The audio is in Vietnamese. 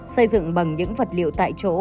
xây dựng bằng những vật liệu tại chỗ